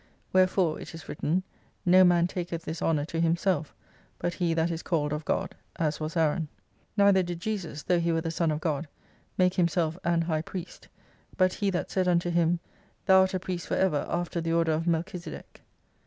Wherefore, it is written, no man taketh this honour to himself hct He that is called of God, as was Aaron. Neither did Jesus (though He were the Son of God) make Himself an High Priest, but He that said unto Him, Thoti art a priest for ever after the order of Afelchisedec.